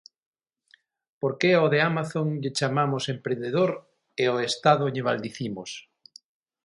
Por que ao de Amazon lle chamamos emprendedor e ao Estado lle maldicimos?